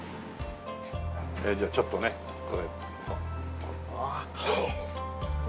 じゃあちょっとねこれ。